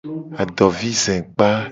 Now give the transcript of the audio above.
Adovizekpa.